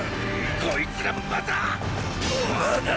こいつらまたっ！